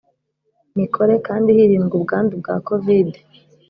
mikore kandi hirindwa ubwandu bwa covide